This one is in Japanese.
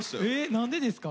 何でですか？